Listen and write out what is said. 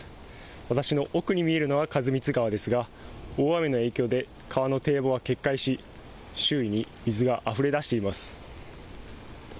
私の奥に見えるのが員光川ですが大雨の影響で川の堤防は決壊し周囲に水があふれ出しています。